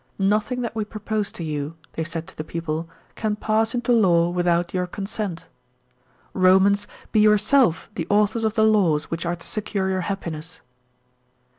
Nothing that we propose to you, they said to the people, can pass into law without your consent. Romans, be yourselves the authors of the laws which are to secure your happi ness.